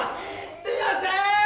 すみません。